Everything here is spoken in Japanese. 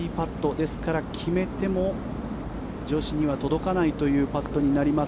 ですから決めても女子には届かないというパットになります。